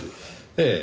ええ。